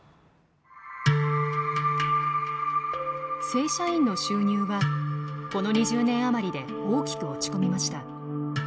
正社員の収入はこの２０年余りで大きく落ち込みました。